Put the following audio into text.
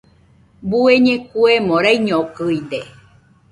Bueñe kuemo raiñokɨide